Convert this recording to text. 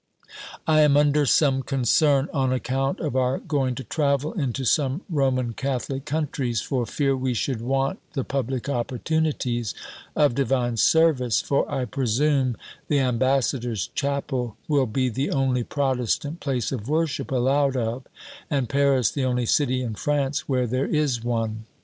I am under some concern on account of our going to travel into some Roman Catholic countries, for fear we should want the public opportunities of divine service: for I presume, the ambassador's chapel will be the only Protestant place of worship allowed of, and Paris the only city in France where there is one.